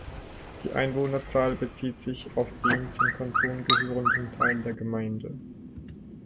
Die Einwohnerzahl bezieht sich auf den zum Kanton gehörenden Teil der Gemeinde.